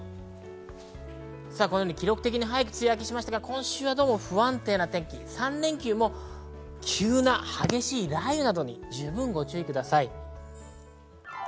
記録的に、早く梅雨明けしましたが、今週は不安定な天気、３連休も急な激しい雷雨などに十分ご注意ください。